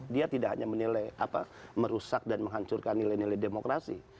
dia tidak hanya menilai merusak dan menghancurkan nilai nilai demokrasi